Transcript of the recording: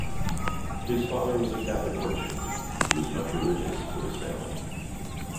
His father was a Catholic merchant, who was much religious for his family.